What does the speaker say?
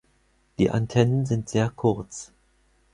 Die Antennen sind sehr kurz.